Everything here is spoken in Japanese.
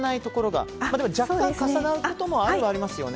でも若干、重なることもあるはありますよね。